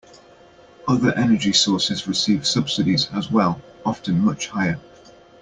Other energy sources receive subsidies as well, often much higher.